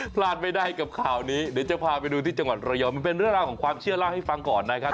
พลาดไม่ได้กับข่าวนี้เดี๋ยวจะพาไปดูที่จังหวัดระยองมันเป็นเรื่องราวของความเชื่อเล่าให้ฟังก่อนนะครับ